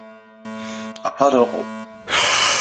Аԥара ыҟоуп.